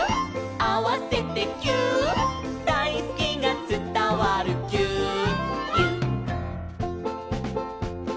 「あわせてぎゅーっ」「だいすきがつたわるぎゅーっぎゅっ」